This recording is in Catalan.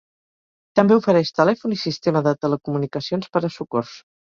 També ofereix telèfon i sistema de telecomunicacions per a socors.